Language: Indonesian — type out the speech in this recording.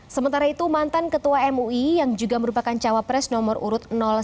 sementara itu mantan ketua mui yang juga merupakan cawapres nomor urut satu